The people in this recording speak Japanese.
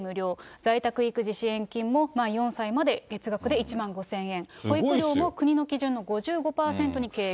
在宅育児支援金も４歳まで月額で１万５０００円、保育料も国の基準の５５％に軽減。